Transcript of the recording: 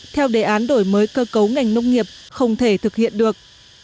theo đề án đổi mới cơ cấu ngành nông nghiệp không thể thực hiện được